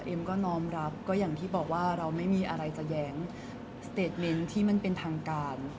ก็นอมรับก็อย่างที่บอกว่าเราไม่มีอะไรจะแย้งสเตจเลนส์ที่มันเป็นทางการ